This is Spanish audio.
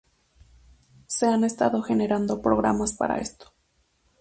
Se han estado generando programas para esto.